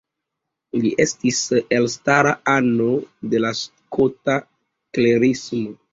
Li estis elstara ano de la Skota Klerismo.